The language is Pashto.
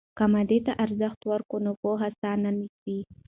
که مادیې ته ارزښت ورکوو، نو پوهه ساه نیسي.